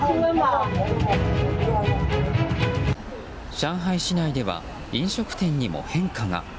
上海市内では飲食店にも変化が。